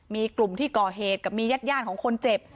มีกลุ่มที่ก่อเหตุกับมีญาติของคนเจ็บ